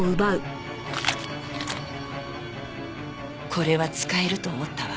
これは使えると思ったわ。